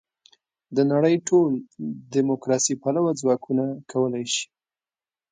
د نړۍ ټول دیموکراسي پلوه ځواکونه کولای شي.